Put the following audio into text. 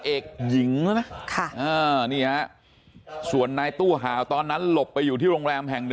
เอกหญิงด้วยนะนี่ฮะส่วนนายตู้หาวตอนนั้นหลบไปอยู่ที่โรงแรมแห่ง๑